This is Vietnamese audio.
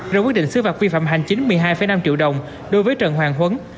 rồi quyết định xứ phạt vi phạm hành chính một mươi hai năm triệu đồng đối với trần hoàng huấn